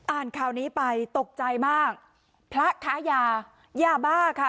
อ่านข่าวนี้ไปตกใจมากพระค้ายายาบ้าค่ะ